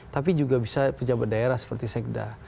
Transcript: tapi juga bisa pejabat daerah seperti sekda